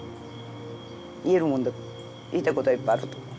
言えるもんだったら言いたいことはいっぱいあると思う。